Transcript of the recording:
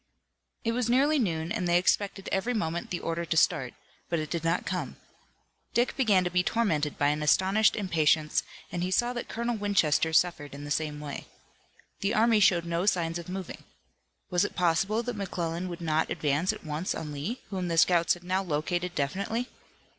It was nearly noon, and they expected every moment the order to start, but it did not come. Dick began to be tormented by an astonished impatience, and he saw that Colonel Winchester suffered in the same way. The army showed no signs of moving. Was it possible that McClellan would not advance at once on Lee, whom the scouts had now located definitely?